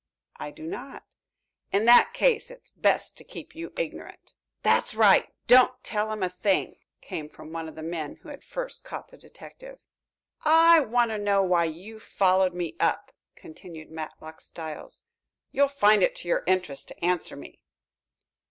"I do not." "In that case, it's best to keep you ignorant." "That's right, don't tell him a thing," came from one of the men who had first caught the detective. "I want to know why you followed me up?" continued Matlock Styles. "You'll find it to your interest to answer me."